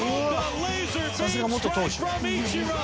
さすが元投手。